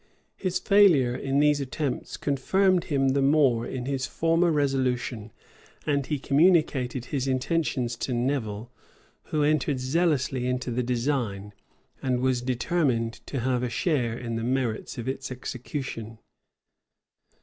His failure in these attempts confirmed him the more in his former resolution; and he communicated his intentions to Nevil, who entered zealously into the design, and was determined to have a share in the merits of its execution.